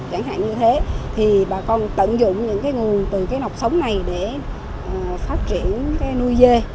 chẳng hạn như thế thì bà con tận dụng những cái nguồn từ cái nọc sống này để phát triển cái nuôi dê